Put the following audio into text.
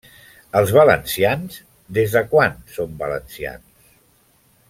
Els valencians, des de quan són valencians?